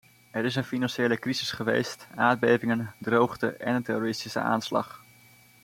Er is een financiële crisis geweest, aardbevingen, droogte en een terroristische aanslag.